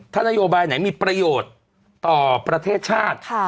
ถ้านโยบายไหนมีประโยชน์ต่อประเทศชาติ